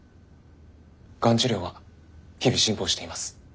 がん治療は日々進歩しています。